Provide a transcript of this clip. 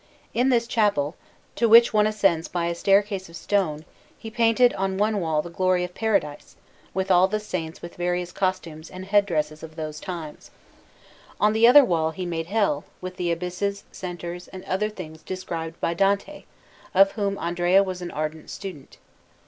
In this chapel, to which one ascends by a staircase of stone, he painted on one wall the glory of Paradise, with all the Saints and with various costumes and head dresses of those times. On the other wall he made Hell, with the abysses, centres, and other things described by Dante, of whom Andrea was an ardent student.